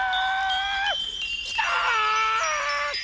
きた！